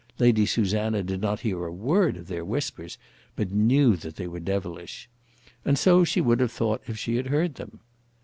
Lady Susanna did not hear a word of their whispers, but knew that they were devilish. And so she would have thought if she had heard them.